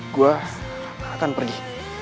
gue akan pergi